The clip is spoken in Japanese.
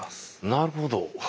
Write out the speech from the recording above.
なるほど。